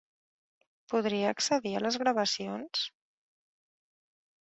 Podria accedir a les gravacions?